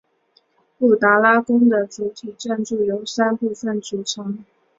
布达拉宫的主体建筑由三部分组成。